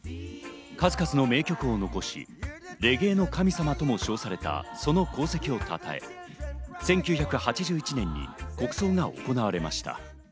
数々の名曲を残し、レゲエ神様とも称されたその功績を讃え、１９８１年に国葬が行われました。